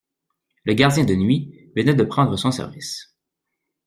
Le gardien de nuit venait de prendre son service.